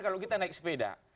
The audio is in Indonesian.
kalau kita naik sepeda